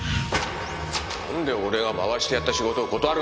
なんで俺が回してやった仕事を断るんだよ！